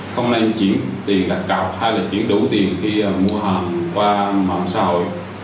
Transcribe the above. không nên chuyển tiền đặc cạo hay chuyển đủ tiền khi mua hàng qua mạng xã hội